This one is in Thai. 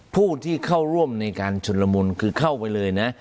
ผู้ที่เข้าร่วมในการชุดละมุนคือเข้าไปเลยนะ